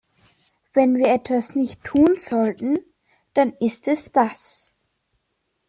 Wenn wir etwas nicht tun sollten, dann ist es das.